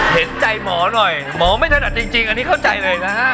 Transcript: เห็นใจหมอหน่อยหมอไม่ถนัดจริงอันนี้เข้าใจเลยนะฮะ